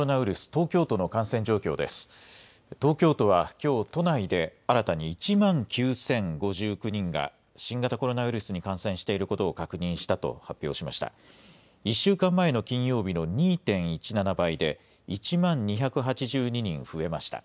東京都はきょう、都内で新たに１万９０５９人が、新型コロナウイルスに感染していることを確認したと発表しました。